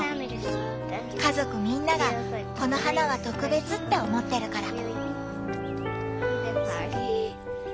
家族みんながこの花は特別って思ってるから。